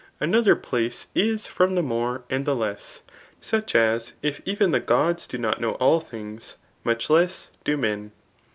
Another place is from the more and the less ; such a^, if even the gods do not know all things, much less do men.